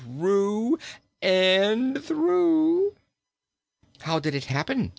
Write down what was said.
through and through!" "How did it happen?"